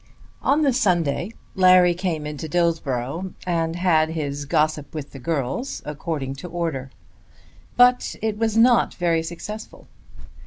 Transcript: On the Sunday Larry came into Dillsborough and had "his gossip with the girls" according to order; but it was not very successful.